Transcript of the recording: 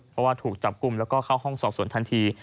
เพราะว่าถูกจับกลุ่มแล้วก็เข้าห้องสอบส่วนทันที